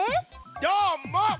どーも！